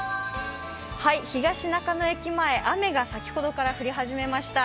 東中野駅前、雨が先ほどから降り始めました。